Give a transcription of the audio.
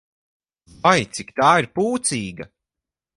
Vai, cik tā ir pūcīga!